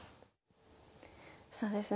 そうですね